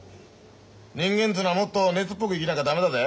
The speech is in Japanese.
人間っつのはもっと熱っぽく生きなきゃ駄目だぜ。